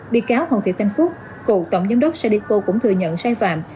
bị cáo hồng thị thanh phúc cựu tổng giám đốc sadeco cũng thừa nhận sai phạm